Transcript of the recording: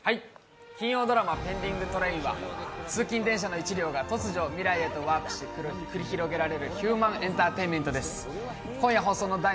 金曜ドラマ「ペンディングトレイン」は通勤電車の一両が突如、未来へとワープし繰り広げられるヒューマンエンターテインメントです。